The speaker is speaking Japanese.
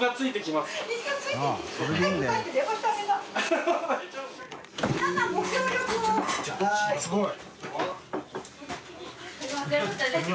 すごい！